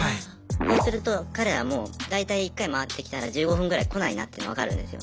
そうすると彼らも大体１回回ってきたら１５分ぐらい来ないなって分かるんですよ。